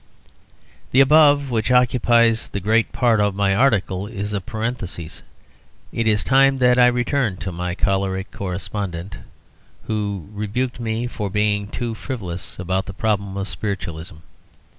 The above, which occupies the great part of my article, is a parenthises. It is time that I returned to my choleric correspondent who rebuked me for being too frivolous about the problem of Spiritualism.